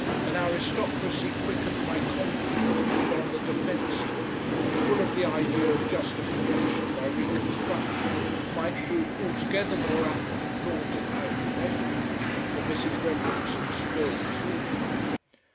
An aristocracy quickened by conflict and on the defensive, and full of the idea of justification by reconstruction, might prove altogether more apt for thought and high professions than Mrs. Redmondson's spoilt children.